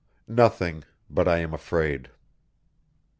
_ Nothing, but I am afraid.